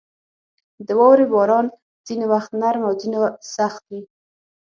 • د واورې باران ځینې وخت نرم او ځینې سخت وي.